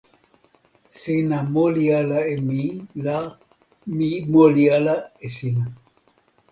sina moli ala e mi la mi moli ala e sina.